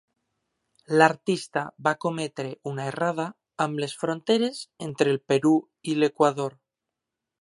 L'artista va cometre una errada amb les fronteres entre el Perú i l'Equador.